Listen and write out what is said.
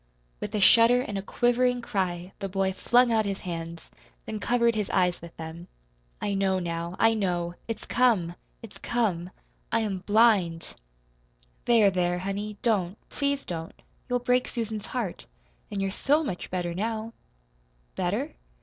With a shudder and a quivering cry the boy flung out his hands, then covered his eyes with them. "I know, now, I know! It's come it's come! I am BLIND!" "There, there, honey, don't, please don't. You'll break Susan's heart. An' you're SO much better now." "Better?"